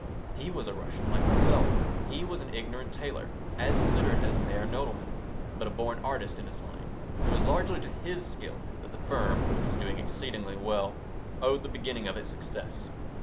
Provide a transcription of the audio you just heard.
He was a Russian, like myself. He was an ignorant tailor, as illiterate as Meyer Nodelman, but a born artist in his line. It was largely to his skill that the firm, which was doing exceedingly well, owed the beginning of its success.